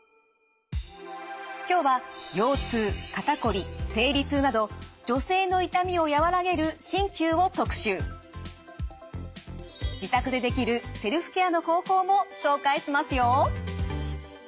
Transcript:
今日は腰痛肩こり生理痛など自宅でできるセルフケアの方法も紹介しますよ。